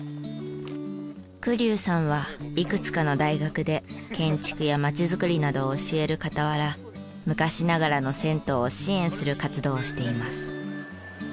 栗生さんはいくつかの大学で建築や町づくりなどを教える傍ら昔ながらの銭湯を支援する活動をしています。